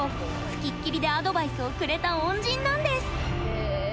付きっきりでアドバイスをくれた恩人なんです。